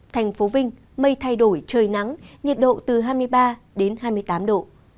thành phố vinh mây thay đổi trời nắng nhiệt độ từ hai mươi ba đến hai mươi tám độ